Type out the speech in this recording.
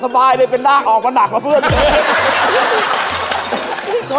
กะสบายเลยเป็นน่าคออกมาหนักมาเปิด